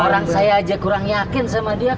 orang saya aja kurang yakin sama dia